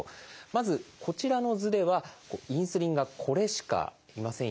まずこちらの図ではインスリンがこれしかいませんよね。